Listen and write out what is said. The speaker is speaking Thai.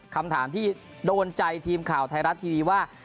คำถามที่โดนใจทีมข่าวไทยรัฐทีวีว่า